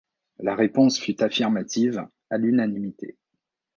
La réponse fut affirmative, à l’unanimité.